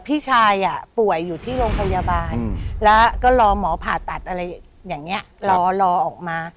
พี่ชายป่วยอยู่ที่โรงพยาบาลแล้วก็รอหมอผ่าตัดอะไรอย่างนี้รอออกมา